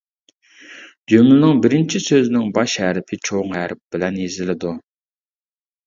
جۈملىنىڭ بىرىنچى سۆزىنىڭ باش ھەرپى چوڭ ھەرپ بىلەن يېزىلىدۇ.